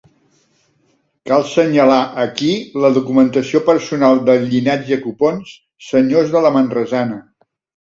Cal senyalar aquí la documentació personal del llinatge Copons, senyors de la Manresana.